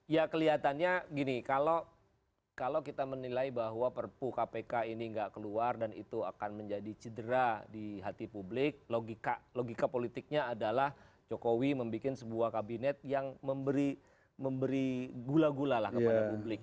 ya kelihatannya gini kalau kita menilai bahwa perpu kpk ini nggak keluar dan itu akan menjadi cedera di hati publik logika politiknya adalah jokowi membuat sebuah kabinet yang memberi gula gula lah kepada publik